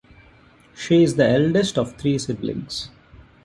She is the eldest of three siblings.